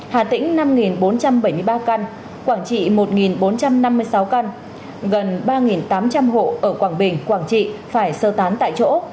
hà tĩnh năm bốn trăm bảy mươi ba căn quảng trị một bốn trăm năm mươi sáu căn gần ba tám trăm linh hộ ở quảng bình quảng trị phải sơ tán tại chỗ